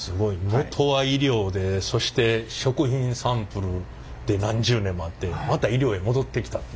元は医療でそして食品サンプルで何十年もあってまた医療へ戻ってきたって。